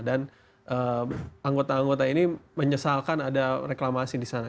dan anggota anggota ini menyesalkan ada reklamasi di sana